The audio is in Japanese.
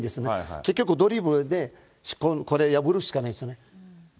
結局、ドリブルでこれ、破るしかないですよね。